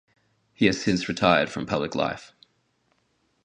He has since retired from public life.